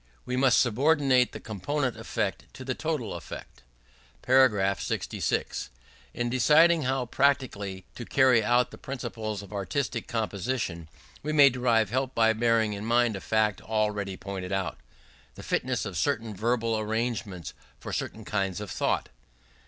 We must subordinate the component effect to the total effect. § 66. In deciding how practically to carry out the principles of artistic composition, we may derive help by bearing in mind a fact already pointed out the fitness of certain verbal arrangements for certain kinds of thought.